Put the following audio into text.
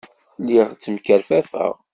Lliɣ ttemkerfafeɣ.